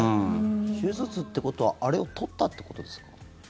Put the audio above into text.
手術ってことはあれを取ったってことですか？